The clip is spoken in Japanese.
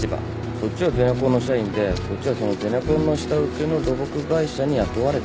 そっちはゼネコンの社員でこっちはそのゼネコンの下請けの土木会社に雇われてるバイト。